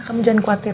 kamu jangan khawatir